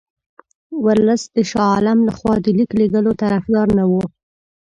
ورلسټ د شاه عالم له خوا د لیک لېږلو طرفدار نه وو.